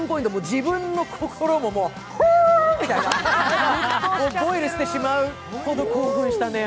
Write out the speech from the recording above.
自分の心ももう、ほっみたいな、ボイルしてしまうほど興奮したね。